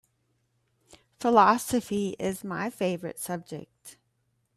Philosophy is my favorite subject.